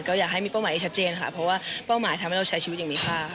ก็อยากให้มีเป้าหมายชัดเจนค่ะเพราะว่าเป้าหมายทำให้เราใช้ชีวิตอย่างมีค่า